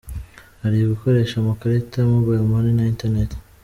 Hari ugukoresha amakarita, Mobile Money na Internet.